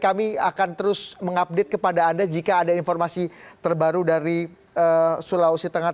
kami akan terus mengupdate kepada anda jika ada informasi terbaru dari sulawesi tengah